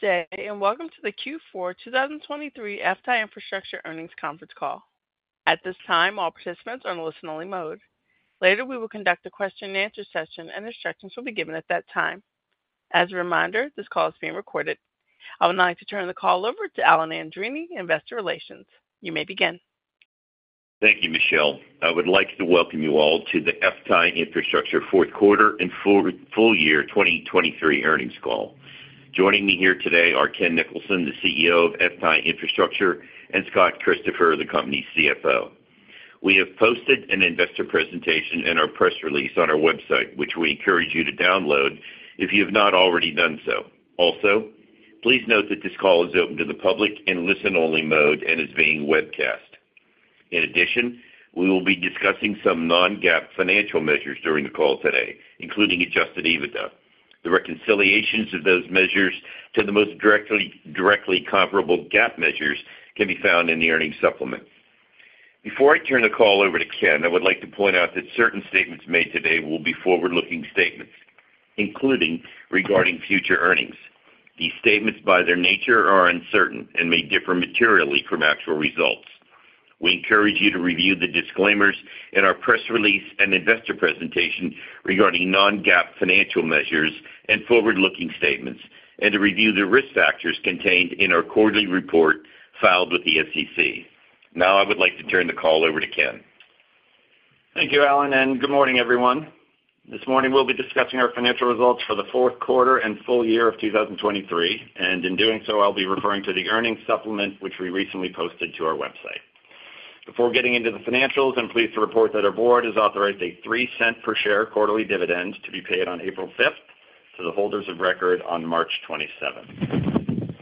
Good day, and welcome to the Q4 2023 FTAI Infrastructure Earnings Conference Call. At this time, all participants are on listen-only mode. Later, we will conduct a question-and-answer session, and instructions will be given at that time. As a reminder, this call is being recorded. I would now like to turn the call over to Alan Andreini, Investor Relations. You may begin. Thank you, Michelle. I would like to welcome you all to the FTAI Infrastructure fourth quarter and full, full year 2023 earnings call. Joining me here today are Ken Nicholson, the CEO of FTAI Infrastructure, and Scott Christopher, the company's CFO. We have posted an investor presentation in our press release on our website, which we encourage you to download if you have not already done so. Also, please note that this call is open to the public in listen-only mode and is being webcast. In addition, we will be discussing some non-GAAP financial measures during the call today, including Adjusted EBITDA. The reconciliations of those measures to the most directly, directly comparable GAAP measures can be found in the earnings supplement. Before I turn the call over to Ken, I would like to point out that certain statements made today will be forward-looking statements, including regarding future earnings. These statements, by their nature, are uncertain and may differ materially from actual results. We encourage you to review the disclaimers in our press release and investor presentation regarding non-GAAP financial measures and forward-looking statements, and to review the risk factors contained in our quarterly report filed with the SEC. Now, I would like to turn the call over to Ken. Thank you, Alan, and good morning, everyone. This morning, we'll be discussing our financial results for the fourth quarter and full year of 2023, and in doing so, I'll be referring to the earnings supplement, which we recently posted to our website. Before getting into the financials, I'm pleased to report that our board has authorized a $0.03 per share quarterly dividend to be paid on April fifth, to the holders of record on March twenty-seventh.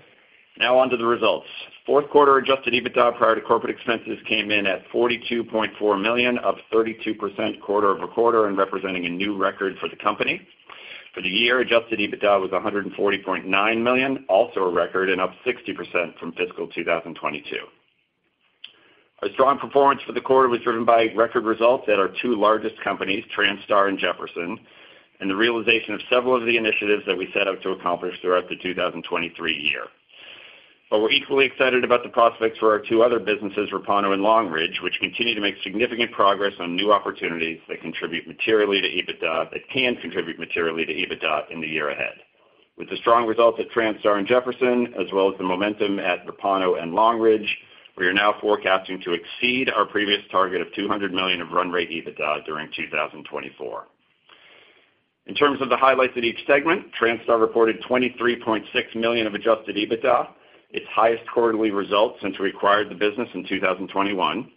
Now, on to the results. Fourth quarter adjusted EBITDA prior to corporate expenses came in at $42.4 million, up 32% quarter-over-quarter and representing a new record for the company. For the year, adjusted EBITDA was $140.9 million, also a record and up 60% from fiscal 2022. Our strong performance for the quarter was driven by record results at our two largest companies, Transtar and Jefferson, and the realization of several of the initiatives that we set out to accomplish throughout the 2023 year. But we're equally excited about the prospects for our two other businesses, Repauno and Long Ridge, which continue to make significant progress on new opportunities that contribute materially to EBITDA-- that can contribute materially to EBITDA in the year ahead. With the strong results at Transtar and Jefferson, as well as the momentum at Repauno and Long Ridge, we are now forecasting to exceed our previous target of $200 million of run rate EBITDA during 2024. In terms of the highlights at each segment, Transtar reported $23.6 million of adjusted EBITDA, its highest quarterly result since we acquired the business in 2021.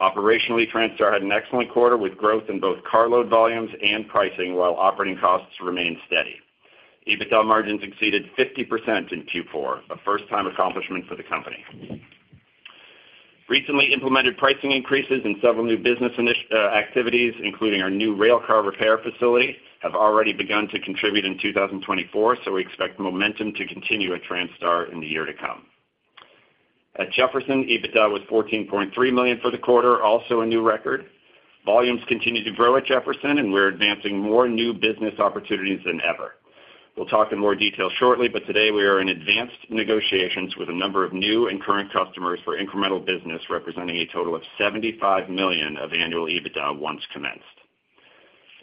Operationally, Transtar had an excellent quarter, with growth in both carload volumes and pricing, while operating costs remained steady. EBITDA margins exceeded 50% in Q4, a first-time accomplishment for the company. Recently implemented pricing increases in several new business activities, including our new railcar repair facility, have already begun to contribute in 2024, so we expect the momentum to continue at Transtar in the year to come. At Jefferson, EBITDA was $14.3 million for the quarter, also a new record. Volumes continue to grow at Jefferson, and we're advancing more new business opportunities than ever. We'll talk in more detail shortly, but today we are in advanced negotiations with a number of new and current customers for incremental business, representing a total of $75 million of annual EBITDA once commenced.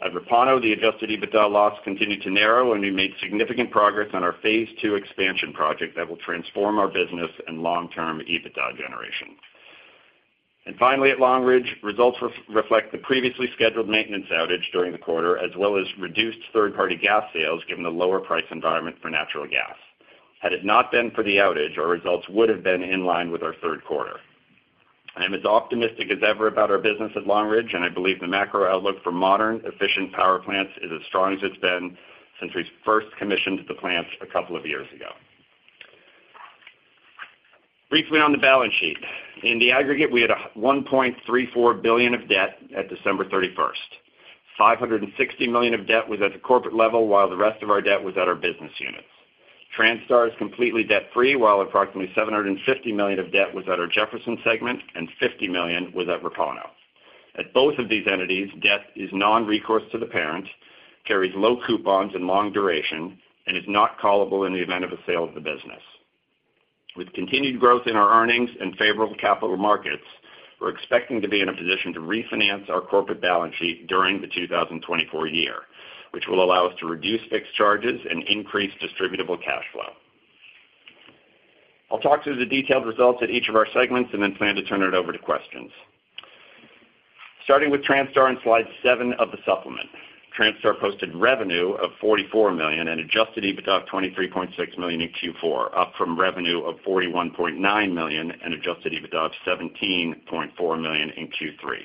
At Repauno, the adjusted EBITDA loss continued to narrow, and we made significant progress on our phase two expansion project that will transform our business and long-term EBITDA generation. And finally, at Long Ridge, results reflect the previously scheduled maintenance outage during the quarter, as well as reduced third-party gas sales, given the lower price environment for natural gas. Had it not been for the outage, our results would have been in line with our third quarter. I am as optimistic as ever about our business at Long Ridge, and I believe the macro outlook for modern, efficient power plants is as strong as it's been since we first commissioned the plants a couple of years ago. Briefly on the balance sheet. In the aggregate, we had $1.34 billion of debt at December 31. $560 million of debt was at the corporate level, while the rest of our debt was at our business units. Transtar is completely debt-free, while approximately $750 million of debt was at our Jefferson segment and $50 million was at Repauno. At both of these entities, debt is non-recourse to the parent, carries low coupons and long duration, and is not callable in the event of a sale of the business. With continued growth in our earnings and favorable capital markets, we're expecting to be in a position to refinance our corporate balance sheet during the 2024 year, which will allow us to reduce fixed charges and increase distributable cash flow. I'll talk through the detailed results at each of our segments and then plan to turn it over to questions. Starting with Transtar on slide 7 of the supplement. Transtar posted revenue of $44 million and Adjusted EBITDA of $23.6 million in Q4, up from revenue of $41.9 million and Adjusted EBITDA of $17.4 million in Q3.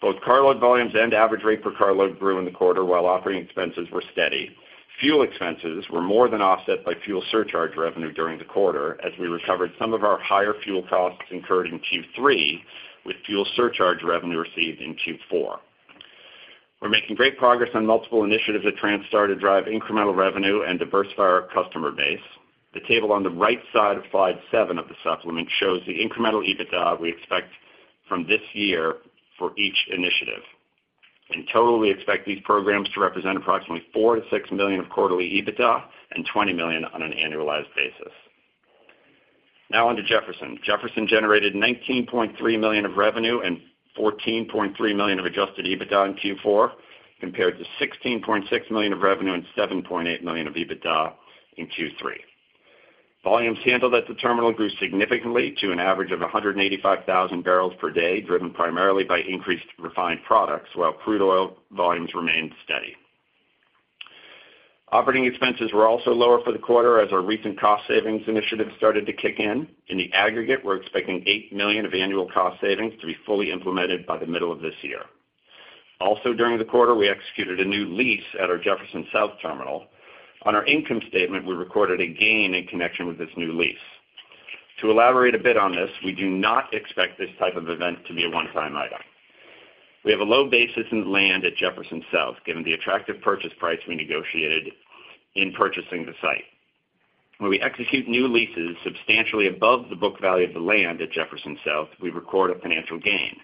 Both carload volumes and average rate per carload grew in the quarter, while operating expenses were steady. Fuel expenses were more than offset by fuel surcharge revenue during the quarter, as we recovered some of our higher fuel costs incurred in Q3, with fuel surcharge revenue received in Q4. We're making great progress on multiple initiatives at Transtar to drive incremental revenue and diversify our customer base. The table on the right side of slide 7 of the supplement shows the incremental EBITDA we expect from this year for each initiative.... In total, we expect these programs to represent approximately $4 million-$6 million of quarterly Adjusted EBITDA and $20 million on an annualized basis. Now on to Jefferson. Jefferson generated $19.3 million of revenue and $14.3 million of Adjusted EBITDA in Q4, compared to $16.6 million of revenue and $7.8 million of EBITDA in Q3. Volumes handled at the terminal grew significantly to an average of 185,000 barrels per day, driven primarily by increased refined products, while crude oil volumes remained steady. Operating expenses were also lower for the quarter as our recent cost savings initiatives started to kick in. In the aggregate, we're expecting $8 million of annual cost savings to be fully implemented by the middle of this year. Also, during the quarter, we executed a new lease at our Jefferson South terminal. On our income statement, we recorded a gain in connection with this new lease. To elaborate a bit on this, we do not expect this type of event to be a one-time item. We have a low basis in land at Jefferson South, given the attractive purchase price we negotiated in purchasing the site. When we execute new leases substantially above the book value of the land at Jefferson South, we record a financial gain.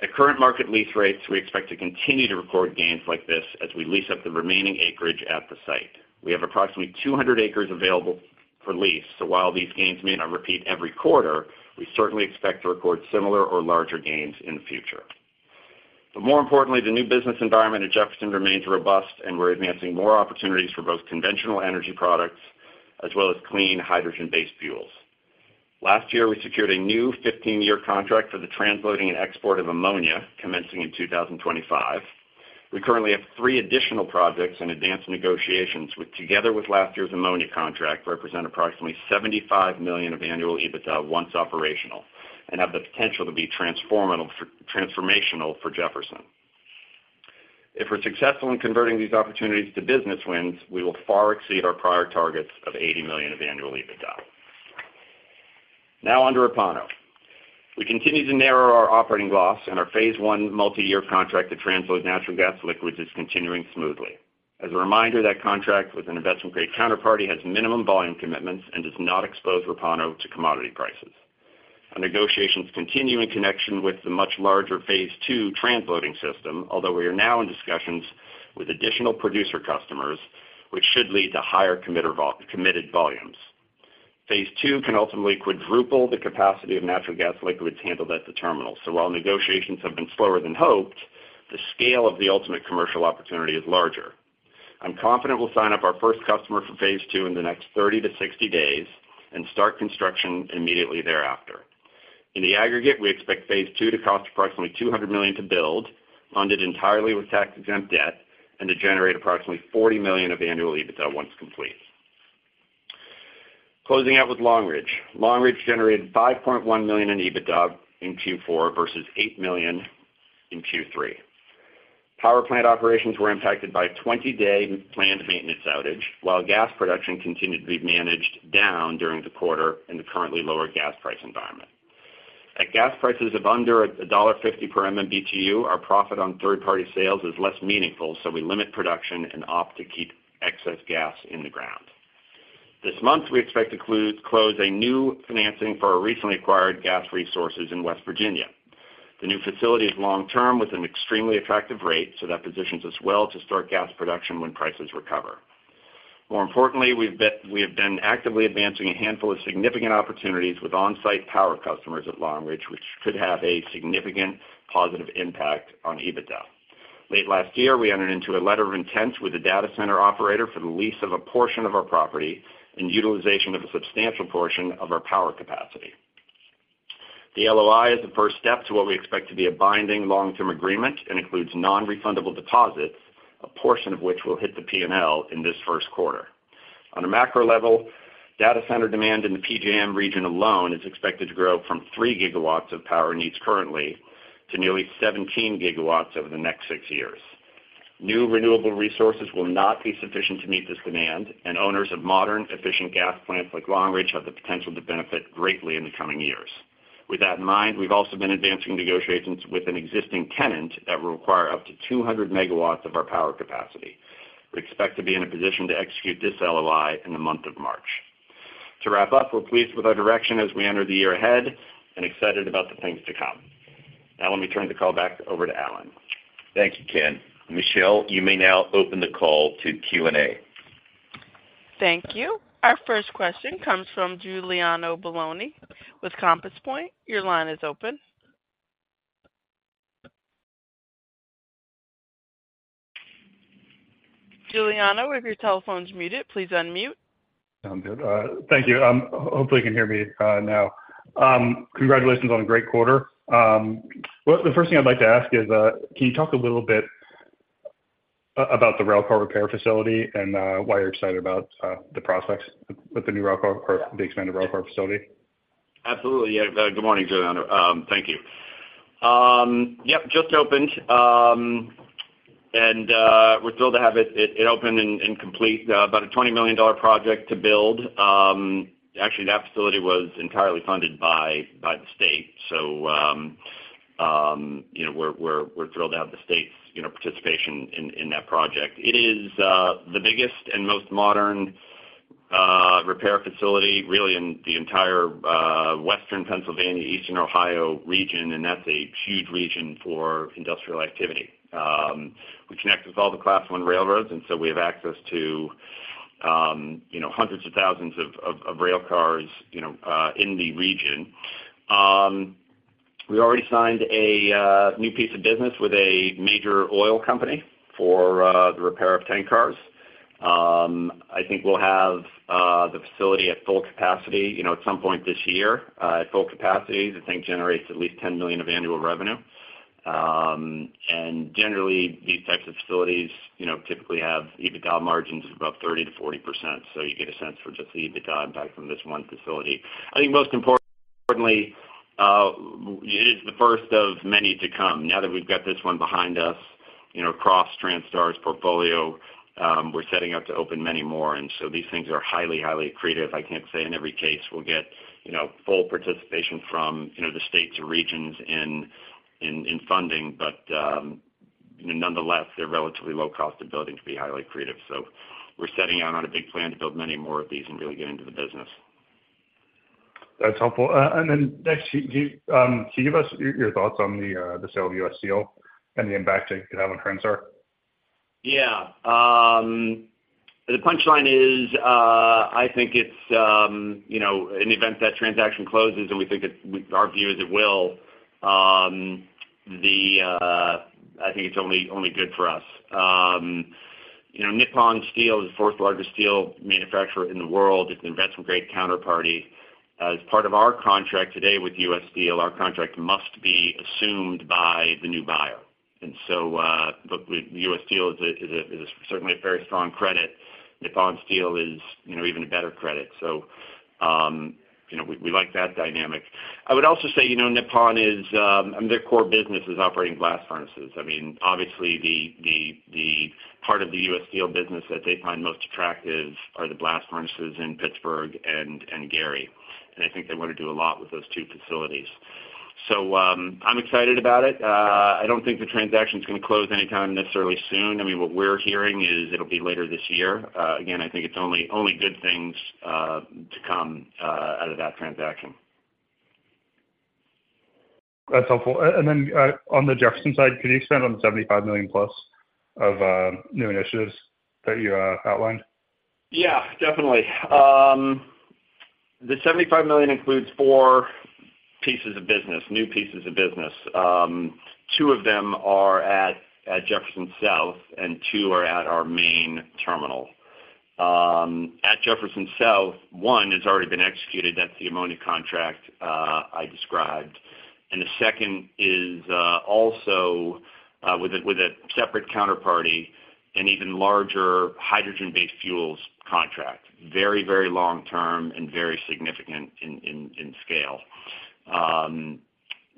At current market lease rates, we expect to continue to record gains like this as we lease up the remaining acreage at the site. We have approximately 200 acres available for lease, so while these gains may not repeat every quarter, we certainly expect to record similar or larger gains in the future. But more importantly, the new business environment at Jefferson remains robust, and we're advancing more opportunities for both conventional energy products as well as clean hydrogen-based fuels. Last year, we secured a new 15-year contract for the transloading and export of ammonia, commencing in 2025. We currently have three additional projects in advanced negotiations, which, together with last year's ammonia contract, represent approximately $75 million of annual EBITDA once operational and have the potential to be transformational for Jefferson. If we're successful in converting these opportunities to business wins, we will far exceed our prior targets of $80 million of annual EBITDA. Now on to Repauno. We continue to narrow our operating loss, and our phase one multiyear contract to transload natural gas liquids is continuing smoothly. As a reminder, that contract with an investment-grade counterparty has minimum volume commitments and does not expose Repauno to commodity prices. Our negotiations continue in connection with the much larger phase two transloading system, although we are now in discussions with additional producer customers, which should lead to higher committed volumes. Phase two can ultimately quadruple the capacity of natural gas liquids handled at the terminal. So while negotiations have been slower than hoped, the scale of the ultimate commercial opportunity is larger. I'm confident we'll sign up our first customer for phase two in the next 30-60 days and start construction immediately thereafter. In the aggregate, we expect phase two to cost approximately $200 million to build, funded entirely with tax-exempt debt, and to generate approximately $40 million of annual EBITDA once complete. Closing out with Long Ridge. Long Ridge generated $5.1 million in EBITDA in Q4 versus $8 million in Q3. Power plant operations were impacted by a 20-day planned maintenance outage, while gas production continued to be managed down during the quarter in the currently lower gas price environment. At gas prices of under $1.50 per MMBtu, our profit on third-party sales is less meaningful, so we limit production and opt to keep excess gas in the ground. This month, we expect to close a new financing for our recently acquired gas resources in West Virginia. The new facility is long term with an extremely attractive rate, so that positions us well to start gas production when prices recover. More importantly, we have been actively advancing a handful of significant opportunities with on-site power customers at Long Ridge, which could have a significant positive impact on EBITDA. Late last year, we entered into a letter of intent with a data center operator for the lease of a portion of our property and utilization of a substantial portion of our power capacity. The LOI is the first step to what we expect to be a binding long-term agreement and includes non-refundable deposits, a portion of which will hit the P&L in this first quarter. On a macro level, data center demand in the PJM region alone is expected to grow from 3 GW of power needs currently to nearly 17 GW over the next 6 years. New renewable resources will not be sufficient to meet this demand, and owners of modern, efficient gas plants like Long Ridge have the potential to benefit greatly in the coming years. With that in mind, we've also been advancing negotiations with an existing tenant that will require up to 200 MW of our power capacity. We expect to be in a position to execute this LOI in the month of March. To wrap up, we're pleased with our direction as we enter the year ahead and excited about the things to come. Now, let me turn the call back over to Alan. Thank you, Ken. Michelle, you may now open the call to Q&A. Thank you. Our first question comes from Giuliano Bologna with Compass Point. Your line is open. Giuliano, if your telephone's muted, please unmute. Sound good. Thank you. Hopefully, you can hear me now. Congratulations on a great quarter. Well, the first thing I'd like to ask is, can you talk a little bit about the railcar repair facility and why you're excited about the prospects with the new railcar or the expanded railcar facility? Absolutely. Yeah. Good morning, Giuliano. Thank you. Yep, just opened, and we're thrilled to have it. It opened and complete about a $20 million project to build. Actually, that facility was entirely funded by the state. So, you know, we're thrilled to have the state's participation in that project. It is the biggest and most modern... repair facility, really in the entire Western Pennsylvania, Eastern Ohio region, and that's a huge region for industrial activity. We connect with all the Class I railroads, and so we have access to, you know, hundreds of thousands of rail cars, you know, in the region. We already signed a new piece of business with a major oil company for the repair of tank cars. I think we'll have the facility at full capacity, you know, at some point this year. At full capacity, the thing generates at least $10 million of annual revenue. And generally, these types of facilities, you know, typically have EBITDA margins of about 30%-40%. So you get a sense for just the EBITDA impact from this one facility. I think most importantly, it is the first of many to come. Now that we've got this one behind us, you know, across Transtar's portfolio, we're setting up to open many more, and so these things are highly, highly accretive. I can't say in every case, we'll get, you know, full participation from, you know, the states or regions in funding, but nonetheless, they're relatively low cost of building to be highly accretive. So we're setting out on a big plan to build many more of these and really get into the business. That's helpful. And then next, can you give us your thoughts on the sale of U.S. Steel and the impact it could have on Transtar? Yeah. The punchline is, I think it's, you know, in the event that transaction closes, and we think it—our view is it will, the, I think it's only, only good for us. You know, Nippon Steel is the fourth largest steel manufacturer in the world. It's an investment-grade counterparty. As part of our contract today with U.S. Steel, our contract must be assumed by the new buyer. And so, look, U.S. Steel is a, is a, is certainly a very strong credit. Nippon Steel is, you know, even a better credit. So, you know, we, we like that dynamic. I would also say, you know, Nippon is... Their core business is operating blast furnaces. I mean, obviously, the part of the U.S. Steel business that they find most attractive are the blast furnaces in Pittsburgh and Gary, and I think they want to do a lot with those two facilities. So, I'm excited about it. I don't think the transaction is going to close anytime necessarily soon. I mean, what we're hearing is it'll be later this year. Again, I think it's only good things to come out of that transaction. That's helpful. And then, on the Jefferson side, can you expand on the $75 million plus of new initiatives that you outlined? Yeah, definitely. The $75 million includes four pieces of business, new pieces of business. Two of them are at Jefferson South, and two are at our main terminal. At Jefferson South, one has already been executed. That's the ammonia contract I described. And the second is also with a separate counterparty, an even larger hydrogen-based fuels contract, very, very long-term and very significant in scale.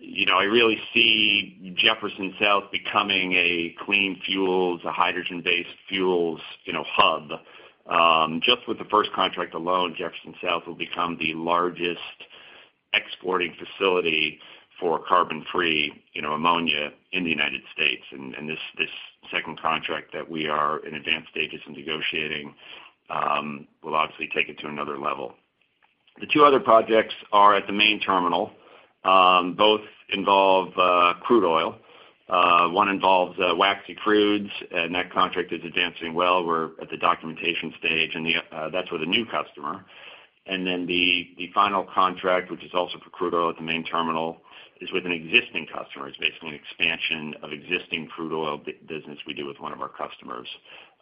You know, I really see Jefferson South becoming a clean fuels, a hydrogen-based fuels, you know, hub. Just with the first contract alone, Jefferson South will become the largest exporting facility for carbon-free, you know, ammonia in the United States. And this second contract that we are in advanced stages in negotiating will obviously take it to another level. The two other projects are at the main terminal. Both involve crude oil. One involves waxy crudes, and that contract is advancing well. We're at the documentation stage, and that's with a new customer. And then the final contract, which is also for crude oil at the main terminal, is with an existing customer. It's basically an expansion of existing crude oil business we do with one of our customers,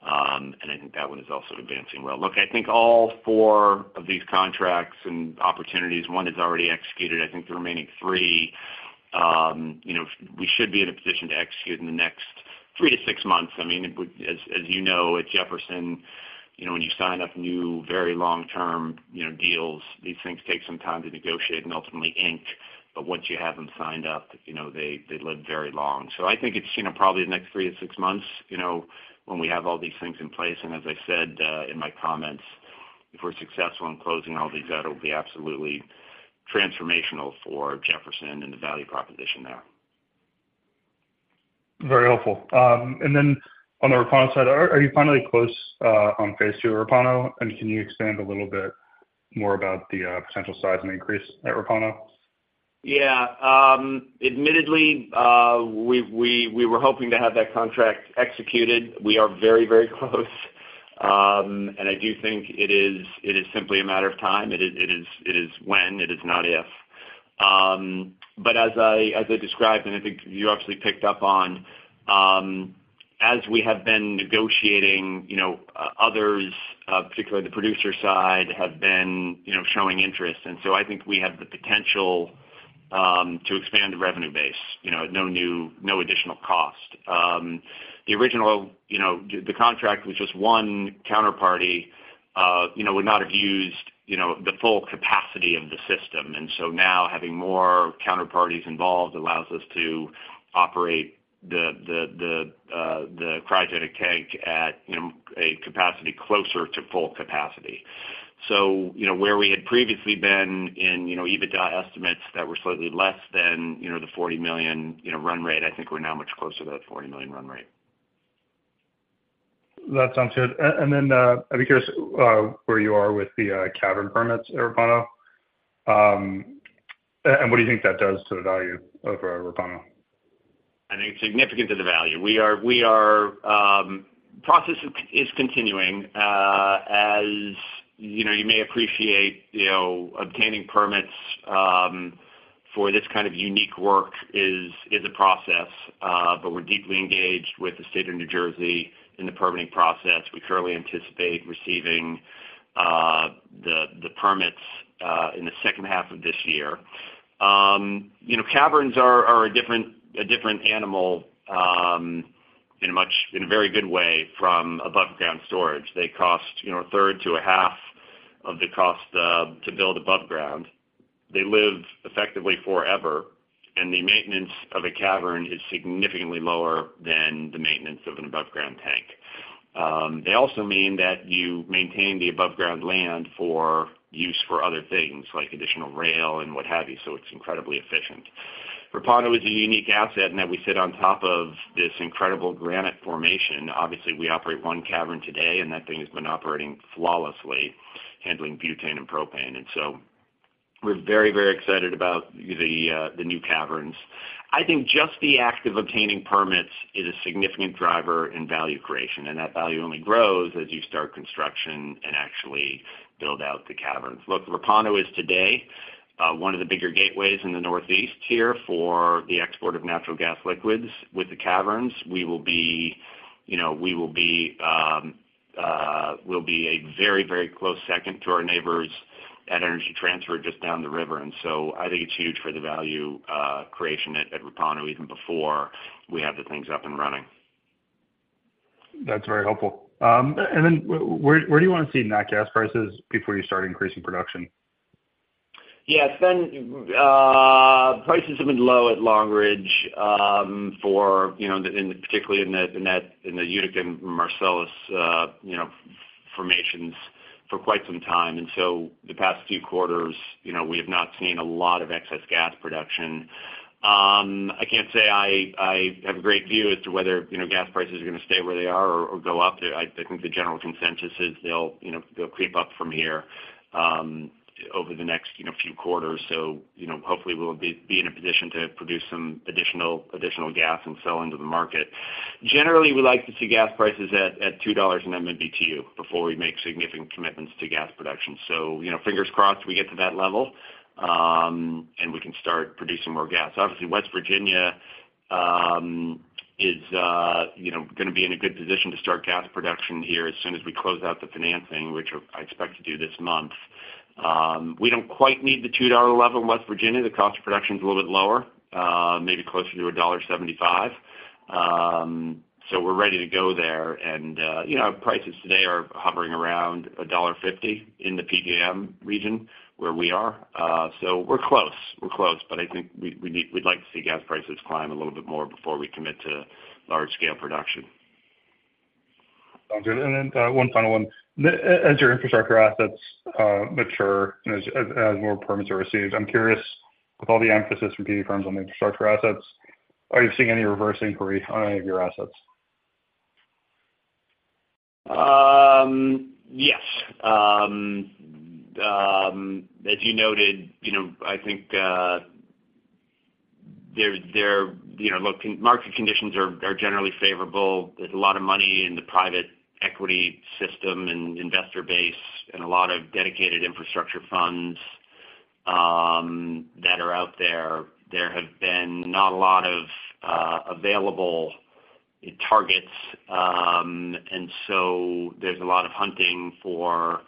and I think that one is also advancing well. Look, I think all four of these contracts and opportunities, one is already executed. I think the remaining three, you know, we should be in a position to execute in the next three to six months. I mean, it would... As you know, at Jefferson, you know, when you sign up new, very long-term, you know, deals, these things take some time to negotiate and ultimately ink, but once you have them signed up, you know, they live very long. So I think it's, you know, probably the next 3-6 months, you know, when we have all these things in place, and as I said, in my comments, if we're successful in closing all these out, it'll be absolutely transformational for Jefferson and the value proposition there. Very helpful. And then on the Repauno side, are you finally close on phase two of Repauno? And can you expand a little bit more about the potential size and increase at Repauno? Yeah. Admittedly, we were hoping to have that contract executed. We are very, very close, and I do think it is simply a matter of time. It is when, it is not if. But as I described, and I think you actually picked up on, as we have been negotiating, you know, others, particularly the producer side, have been, you know, showing interest. And so I think we have the potential to expand the revenue base, you know, at no additional cost. The original, you know, the contract with just one counterparty, you know, would not have used, you know, the full capacity of the system. And so now, having more counterparties involved allows us to operate the cryogenic tank at, you know, a capacity closer to full capacity. So, you know, where we had previously been in, you know, EBITDA estimates that were slightly less than, you know, the $40 million, you know, run rate, I think we're now much closer to that $40 million run rate.... That sounds good. And then I'd be curious where you are with the cavern permits at Repauno. And what do you think that does to the value of Repauno? I think it's significant to the value. The process is continuing. As you know, you may appreciate, you know, obtaining permits for this kind of unique work is a process, but we're deeply engaged with the state of New Jersey in the permitting process. We currently anticipate receiving the permits in the second half of this year. You know, caverns are a different animal, in a very good way from above ground storage. They cost a third to a half of the cost to build above ground. They live effectively forever, and the maintenance of a cavern is significantly lower than the maintenance of an aboveground tank. They also mean that you maintain the aboveground land for use for other things, like additional rail and what have you, so it's incredibly efficient. Repauno is a unique asset in that we sit on top of this incredible granite formation. Obviously, we operate one cavern today, and that thing has been operating flawlessly, handling butane and propane. So we're very, very excited about the new caverns. I think just the act of obtaining permits is a significant driver in value creation, and that value only grows as you start construction and actually build out the caverns. Look, Repauno is today one of the bigger gateways in the Northeast here for the export of natural gas liquids. With the caverns, we will be, you know, a very, very close second to our neighbors at Energy Transfer just down the river. And so I think it's huge for the value creation at Repauno, even before we have the things up and running. That's very helpful. And then where do you want to see nat gas prices before you start increasing production? Yes, then, prices have been low at Long Ridge, for, you know, particularly in the Utica and Marcellus, you know, formations for quite some time. And so the past few quarters, you know, we have not seen a lot of excess gas production. I can't say I have a great view as to whether, you know, gas prices are going to stay where they are or go up. I think the general consensus is they'll, you know, they'll creep up from here, over the next, you know, few quarters. So, you know, hopefully, we'll be in a position to produce some additional gas and sell into the market. Generally, we like to see gas prices at $2 an MMBtu before we make significant commitments to gas production. So, you know, fingers crossed, we get to that level, and we can start producing more gas. Obviously, West Virginia is, you know, gonna be in a good position to start gas production here as soon as we close out the financing, which I expect to do this month. We don't quite need the $2 level in West Virginia. The cost of production is a little bit lower, maybe closer to $1.75. So we're ready to go there, and, you know, prices today are hovering around $1.50 in the PJM region where we are. So we're close, we're close, but I think we, we need-- we'd like to see gas prices climb a little bit more before we commit to large-scale production. Sounds good. Then, one final one. As your infrastructure assets mature, and as more permits are received, I'm curious, with all the emphasis from PE firms on the infrastructure assets, are you seeing any reverse inquiry on any of your assets? Yes. As you noted, you know, I think there... You know, look, market conditions are generally favorable. There's a lot of money in the private equity system and investor base and a lot of dedicated infrastructure funds that are out there. There have been not a lot of available targets, and so there's a lot of hunting for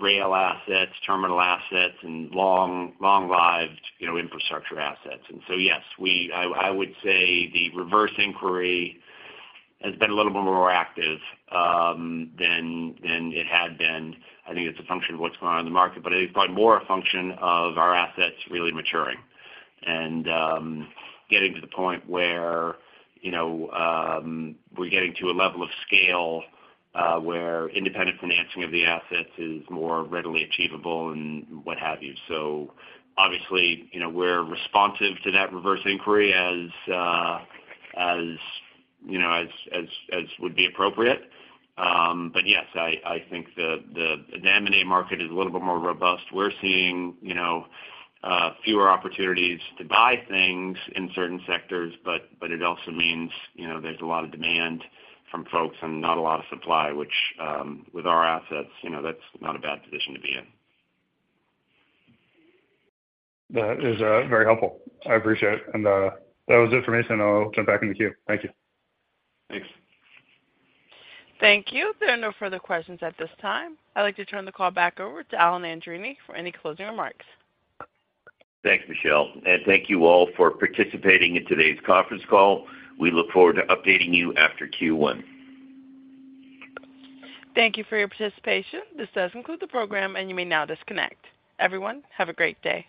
rail assets, terminal assets, and long, long-lived, you know, infrastructure assets. And so, yes, I would say the reverse inquiry has been a little bit more active than it had been. I think it's a function of what's going on in the market, but it's probably more a function of our assets really maturing and, getting to the point where, you know, we're getting to a level of scale, where independent financing of the assets is more readily achievable and what have you. So obviously, you know, we're responsive to that reverse inquiry as, you know, as would be appropriate. But yes, I think the M&A market is a little bit more robust. We're seeing, you know, fewer opportunities to buy things in certain sectors, but it also means, you know, there's a lot of demand from folks and not a lot of supply, which, with our assets, you know, that's not a bad position to be in. That is, very helpful. I appreciate it. And, that was it for me, so I'll jump back in the queue. Thank you. Thanks. Thank you. There are no further questions at this time. I'd like to turn the call back over to Alan Andreini for any closing remarks. Thanks, Michelle, and thank you all for participating in today's conference call. We look forward to updating you after Q1. Thank you for your participation. This does conclude the program, and you may now disconnect. Everyone, have a great day.